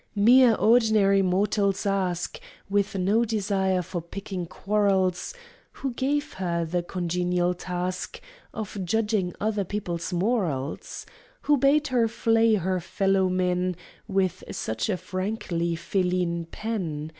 Mere ordinary mortals ask, With no desire for picking quarrels, Who gave her the congenial task Of judging other people's morals? Who bade her flay her fellow men With such a frankly feline pen?